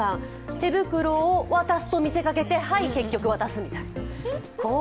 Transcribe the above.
手袋を渡すと見せかけて結局渡すという。